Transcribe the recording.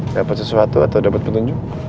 dapat sesuatu atau dapat petunjuk